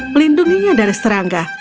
melindunginya dari serangga